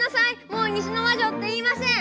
もう「西の魔女」って言いません！